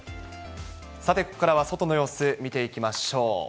さて、ここからは外の様子、見ていきましょう。